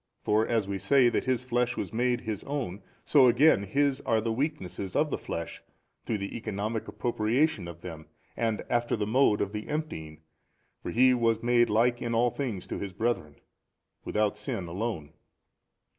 for as we say that His flesh was made His own 51, so again His are the weaknesses of the flesh through the Economic appropriation of them and after the mode of the emptying, for He was made like in all things to His brethren, without sin alone.